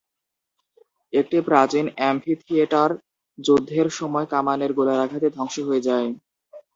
একটি প্রাচীন অ্যাম্ফিথিয়েটার যুদ্ধের সময় কামানের গোলার আঘাতে ধ্বংস হয়ে যায়।